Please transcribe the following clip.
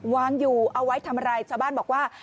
วางอยู่เอาไว้ทำอะไรชาวบ้านบอกว่า